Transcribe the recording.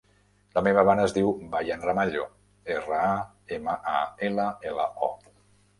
La meva mare es diu Bayan Ramallo: erra, a, ema, a, ela, ela, o.